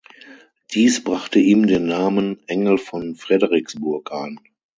Dies brachte ihm den Namen "Engel von Fredericksburg" ein.